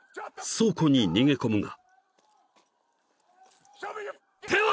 ［倉庫に逃げ込むが］